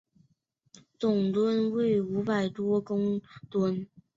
总吨位五百多公顿。